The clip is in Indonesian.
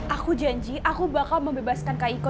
aku janji aku bakal membebaskan kak iko